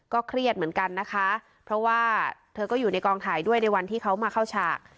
เครียดเหมือนกันนะคะเพราะว่าเธอก็อยู่ในกองถ่ายด้วยในวันที่เขามาเข้าฉาก